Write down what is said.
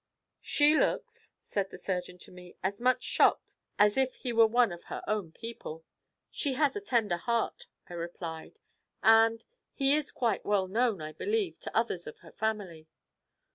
'She looks,' said the surgeon to me, 'as much shocked as if he were one of her own people.' 'She has a tender heart,' I replied, 'and he is quite well known, I believe, to others of her family.'